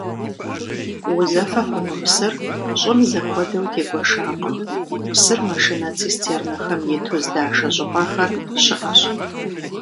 Узэфэ хъуну псыр щӀым зэхуэдэу тегуэшакъым, псыр машинэ-цистернэхэм иту здашэ щӀыпӀэхэр щыӀэщ.